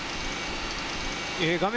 画面